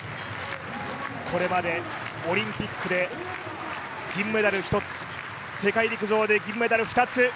これまでオリンピックで銀メダル１つ世界陸上で銀メダル２つ。